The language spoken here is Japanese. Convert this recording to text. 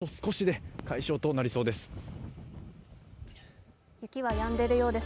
ただ、あと少しで解消となりそうです。